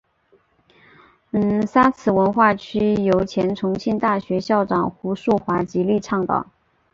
沙磁文化区由前重庆大学校长胡庶华极力倡导。